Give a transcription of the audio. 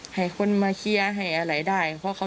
พูดใหญ่บ้านเคยขู่ถึงขั้นจะฆ่าให้ตายด้วยค่ะ